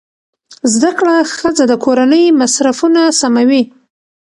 زده کړه ښځه د کورنۍ مصرفونه سموي.